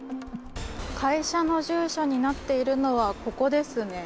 会社の住所になっているのはここですね。